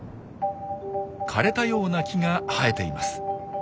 枯れたような木が生えています。